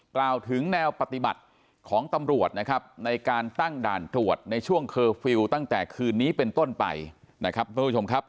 กล่าวถึงแนวปฏิบัติของตำรวจนะครับในการตั้งด่านตรวจในช่วงเคอร์ฟิลล์ตั้งแต่คืนนี้เป็นต้นไปนะครับท่านผู้ชมครับ